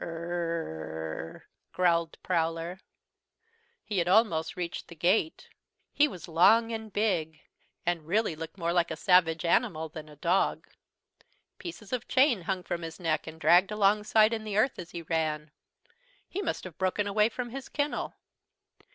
"Urrururur," growled Prowler. He had almost reached the gate. He was long and big, and really looked more like a savage animal than a dog. Pieces of chain hung from his neck and dragged alongside in the earth as he ran. He must have broken away from his kennel.